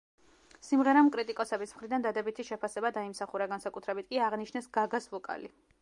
სიმღერამ კრიტიკოსების მხრიდან დადებითი შეფასება დაიმსახურა, განსაკუთრებით კი აღნიშნეს გაგას ვოკალი.